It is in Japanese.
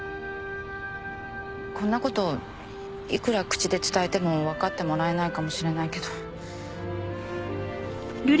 こんなこといくら口で伝えても分かってもらえないかもしれないけど。